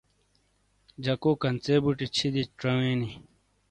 جَکو کَنژے بُوٹے چھِیدے چَوے نی۔